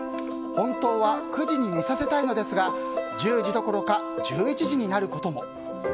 本当は９時に寝させたいのですが１０時どころか１１時になることも。